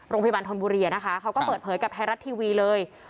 ธนบุรีนะคะเขาก็เปิดเผยกับไทยรัฐทีวีเลย